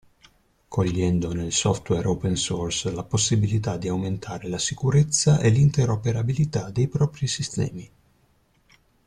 Cogliendo nel software open source la possibilità di aumentare la sicurezza e l'interoperabilità dei propri sistemi.